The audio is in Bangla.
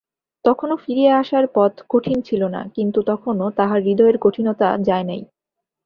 তখনো ফিরিয়া আসার পথ কঠিন ছিল না, কিন্তু তখনো তাহার হৃদয়ের কঠিনতা যায় নাই।